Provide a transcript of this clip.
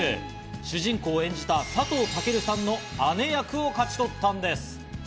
主人公を演じた佐藤健さんの姉役を勝ち取ったのです。